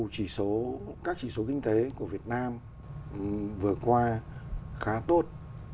mặc dù các chỉ số kinh tế của việt nam vừa qua khá tốt